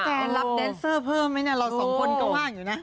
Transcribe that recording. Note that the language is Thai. ที่แทนรับแดนเซอร์เพิ่มไหมเรา๒คนก็ว่าอยู่นะ